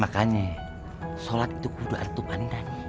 makanya sholat itu kudu ada tupan nih